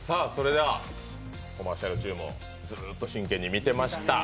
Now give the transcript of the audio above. コマーシャル中もずっと真剣に見てました。